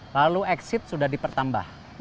lalu exit sudah dipertambah